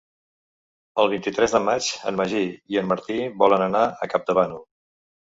El vint-i-tres de maig en Magí i en Martí volen anar a Campdevànol.